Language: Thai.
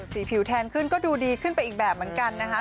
สีผิวแทนขึ้นก็ดูดีขึ้นไปอีกแบบเหมือนกันนะคะ